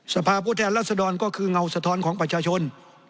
สภาพผู้แทนรัศดรก็คือเงาสะท้อนของประชาชน